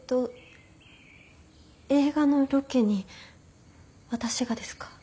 映画のロケに私がですか？